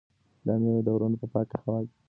دا مېوې د غرونو په پاکه هوا کې لویې شوي دي.